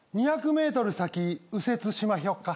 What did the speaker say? ２００ｍ先右折しまひょか。